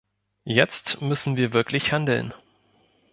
Jetzt müssen wir wirklich handeln.